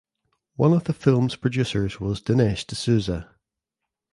One of the film’s producers was Dinesh D’Souza.